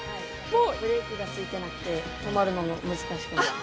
ブレーキがついていなくて止まるのも難しいです。